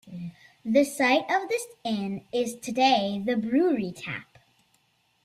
The site of this inn is today the Brewery Tap.